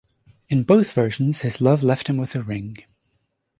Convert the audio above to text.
In both versions, his love left him with a ring.